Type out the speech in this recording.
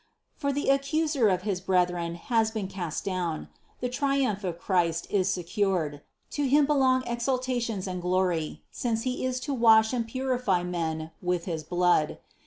For the ac cuser of his brethren has been cast down; the triumph of Christ is secured; to Him belong exaltations and glory, since He is to wash and purify men with his blood.